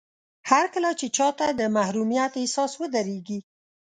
هرکله چې چاته د محروميت احساس ودرېږي.